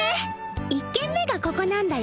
一軒目がここなんだ